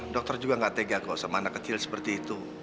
dokter juga nggak tega kok sama anak kecil seperti itu